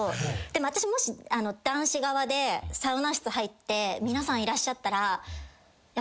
でも私もし男子側でサウナ室入って皆さんいらっしゃったらやっぱ見ちゃうなと思って。